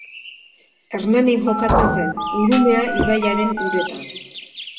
Hernanin jokatzen zen, Urumea ibaiaren uretan.